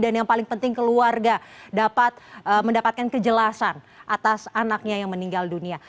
dan yang paling penting keluarga dapat mendapatkan kejelasan atas anaknya yang meninggal dunia